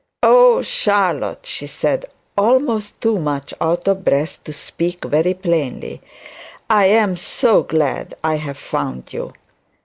'Oh, Charlotte,' she said, almost too much out of breath to speak very plainly; 'I am so glad I have found you.'